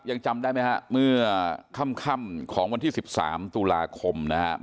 ยังจำได้ไหมฮะเมื่อค่ำของวันที่๑๓ตุลาคมนะครับ